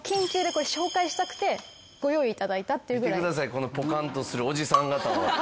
このポカンとするおじさん方を。